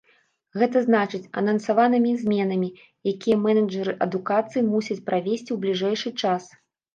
Гэта значыць, анансаванымі зменамі, якія менеджары адукацыі мусяць правесці ў бліжэйшы час.